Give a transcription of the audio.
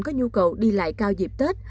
có nhu cầu đi lại cao dịp tết